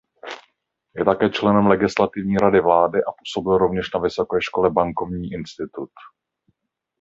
Je také členem Legislativní rady vlády a působil rovněž na vysoké škole Bankovní institut.